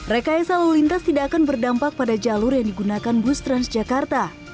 rekayasa lalu lintas tidak akan berdampak pada jalur yang digunakan bus transjakarta